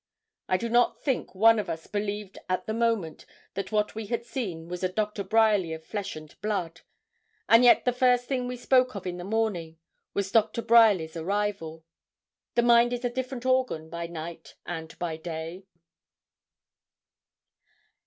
I do not think one of us believed at the moment that what we had seen was a Doctor Bryerly of flesh and blood, and yet the first thing we spoke of in the morning was Doctor Bryerly's arrival. The mind is a different organ by night and by day.